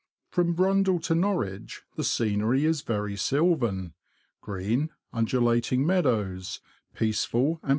From Brundall to Nor wich the scenery is very sylvan : green, undulating meadows ; peaceful and.